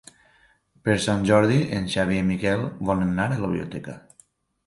Per Sant Jordi en Xavi i en Miquel volen anar a la biblioteca.